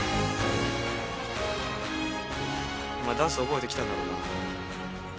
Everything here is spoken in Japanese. お前ダンス覚えてきたんだろうな？